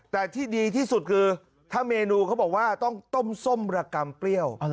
แต่ที่ดีที่สุดคือถ้าเมนูเขาบอกว่าต้องต้มส้มระกำเปรี้ยว